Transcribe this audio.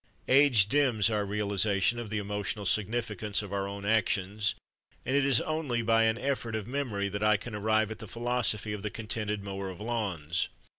Age dims our realisation of the emotional significance of our own actions, and it is only by an effort of memory that I can arrive at the philosophy of the contented mower of lawns.